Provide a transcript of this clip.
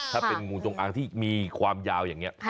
ถ้าเป็นงูจงอางที่มีความยาวอย่างนี้